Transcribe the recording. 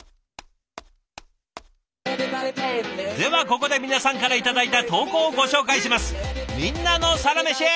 ではここで皆さんから頂いた投稿をご紹介します。